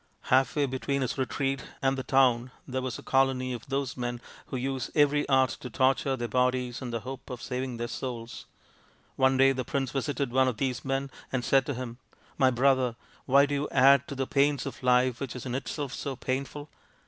Half way between his retreat and the town there was a colony of those men who use every art to torture their bodies in the hope of saving their souls. One day the prince visited one of these men and said to him, " My brother, why do you add to the pains of life which is in itself so painful